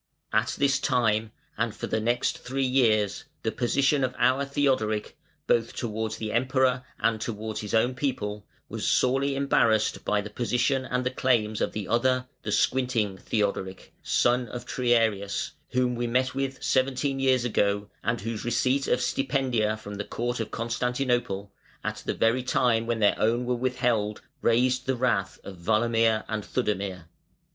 At this time, and for the next three years, the position of our Theodoric, both towards the Emperor and towards his own people, was sorely embarrassed by the position and the claims of the other, the squinting Theodoric (son of Triarius), whom we met with seventeen years ago, and whose receipt of stipendia from the court of Constantinople, at the very time when their own were withheld, raised the wrath of Walamir and Theudemir.